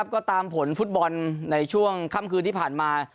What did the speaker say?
ก็ตามผลฟุตบอลในช่วงค่ำคืนที่ผ่านมา